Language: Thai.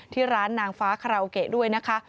ที่ร้านนางฟ้าคาราโอเกะด้วยนะคะ